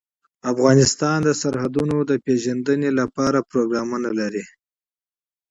افغانستان د سرحدونه د ترویج لپاره پروګرامونه لري.